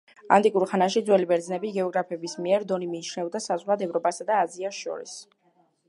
ანტიკურ ხანაში, ძველი ბერძენი გეოგრაფების მიერ, დონი მიიჩნეოდა საზღვრად ევროპასა და აზიას შორის.